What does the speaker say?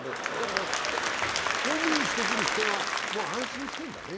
ホームインしてくる人が、もう安心してるんだね？